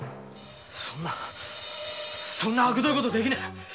そんなそんな悪どいことはできない！